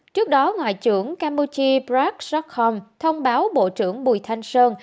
trước đó ngoại trưởng campuchia brad stockholm thông báo bộ trưởng bùi thanh sơn